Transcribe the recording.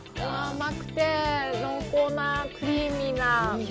甘くて、濃厚な、クリーミーな。